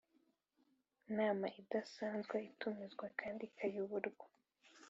Nama idasanzwe itumizwa kandi ikayoborwa